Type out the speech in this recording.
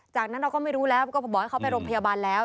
จากนั้นเราก็ไม่รู้แล้วก็บอกให้เขาไปโรงพยาบาลแล้ว